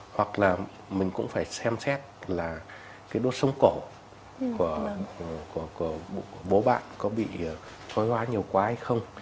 hoặc là mình cũng phải xem xét là cái đốt sống cổ của bố bạn có bị thoái hóa nhiều quá hay không